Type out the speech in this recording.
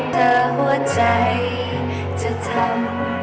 ขอบคุณทุกเรื่องราว